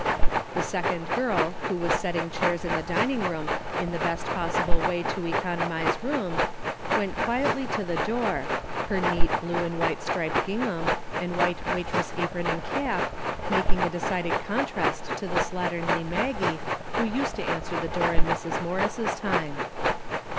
The second girl who was setting chairs in the din ing room in the best possible way to economize room, went quietly to the door, her neat blue and white striped gingham and white wait ress apron and cap making a decided contrast to the slatternly Maggie who used to answer the door in Mrs. Morris' time.